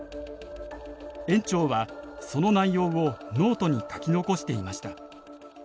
園長はその内容をノートに書き残していました。